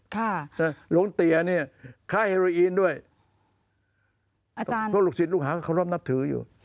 ค่ะและโหลงเตี๋ยเนี่ยค่าแฮโลแอีนด้วยพวกลูกศิลป์ลูกหาเข้าร่วมนับถืออยู่